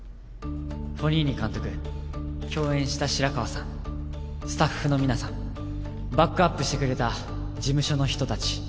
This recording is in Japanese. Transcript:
フォニーニ監督共演した白川さんスタッフの皆さんバックアップしてくれた事務所の人たち。